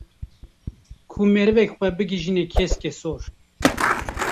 ku merivek xwe bigîjîne keskesor